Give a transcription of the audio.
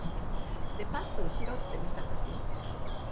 そしてパッと後ろって見た時に。